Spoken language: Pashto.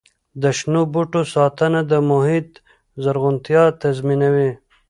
د شنو بوټو ساتنه د محیط زرغونتیا تضمینوي.